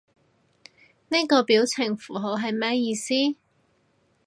呢個表情符號係咩意思？